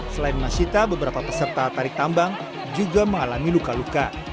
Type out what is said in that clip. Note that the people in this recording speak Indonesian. selain masyita beberapa peserta tarik tambang juga mengalami luka luka